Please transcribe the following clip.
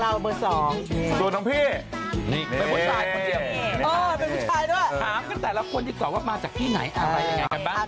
แล้วก็แต่ละคนที่ตอบว่ามาจากที่ไหนอะไรอย่างไรกันบ้าง